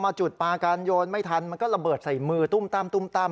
พอมาจุดปากการโยนไม่ทันมันก็ระเบิดใส่มือตุ้มตาม